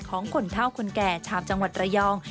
ของคนเท่าคนแก่ชาวจังหวัดระยอง